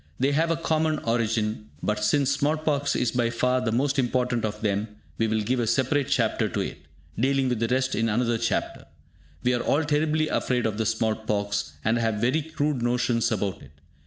They have a common origin, but, since small pox is by far the most important of them, we will give a separate chapter to it, dealing with the rest in another chapter. We are all terribly afraid of the small pox, and have very crude notions about it.